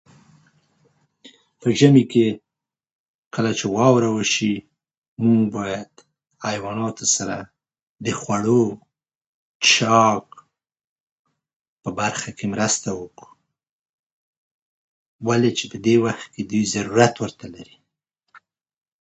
په ژمي کې کله واوره وشي، موږ باید حیواناتو سره د خوړو، څښاک په برخه کې مرسته وکړو، ولې چې دوی په دې وخت کې ضرورت ورته لري.